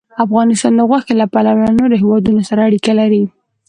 افغانستان د غوښې له پلوه له نورو هېوادونو سره اړیکې لري.